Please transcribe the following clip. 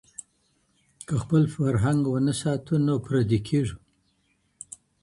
که خپل فرهنګ ونه ساتو نو پردي کېږو.